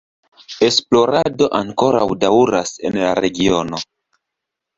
Esplorado ankoraŭ daŭras en la regiono.